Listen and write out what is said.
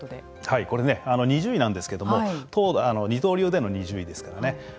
はいこれね２０位なんですけども二刀流での２０位ですからね。